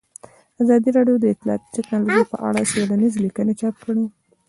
ازادي راډیو د اطلاعاتی تکنالوژي په اړه څېړنیزې لیکنې چاپ کړي.